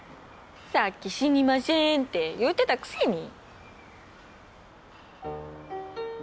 さっき「死にましぇん」って言ってたくせに。